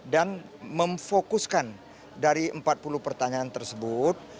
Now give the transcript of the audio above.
dan memfokuskan dari empat puluh pertanyaan tersebut